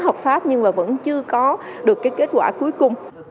hợp pháp nhưng mà vẫn chưa có được cái kết quả cuối cùng